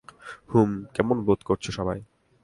হুম, কেমন বোধ করছো সবাই?